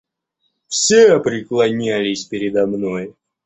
Все преклонялись передо мной!